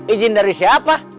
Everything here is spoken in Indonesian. izin dari siapa